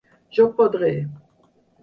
Jo podré!